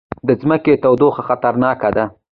د ځمکې تودوخه خطرناکه ده